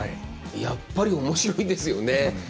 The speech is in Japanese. やっぱりおもしろいですよね。